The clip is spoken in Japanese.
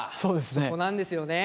そこなんですよね。